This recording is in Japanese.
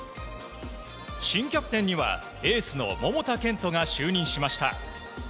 新キャプテンには、エースの桃田賢斗が就任しました。